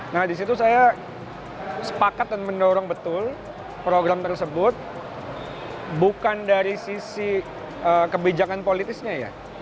nah disitu saya sepakat dan mendorong betul program tersebut bukan dari sisi kebijakan politisnya ya